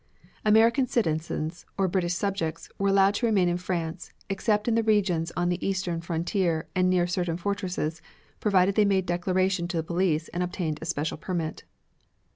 American citizens or British subjects were allowed to remain in France, except in the regions on the eastern frontier and near certain fortresses, provided they made declaration to the police and obtained a special permit.